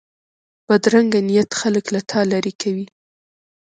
بدرنګه نیت خلک له تا لرې کوي